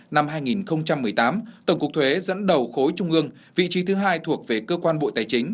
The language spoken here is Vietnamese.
năm hai nghìn một mươi tám tổng cục thuế dẫn đầu khối trung ương vị trí thứ hai thuộc về cơ quan bộ tài chính